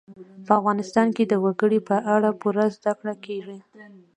په افغانستان کې د وګړي په اړه پوره زده کړه کېږي.